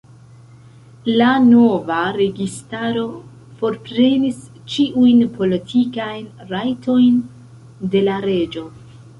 La nova registaro forprenis ĉiujn politikajn rajtojn de la reĝo.